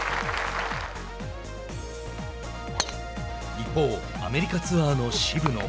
一方、アメリカツアーの渋野。